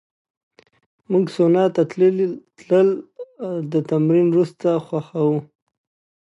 موږ سونا ته تلل د تمرین وروسته خوښوو.